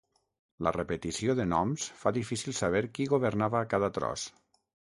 La repetició de noms fa difícil saber qui governava cada tros.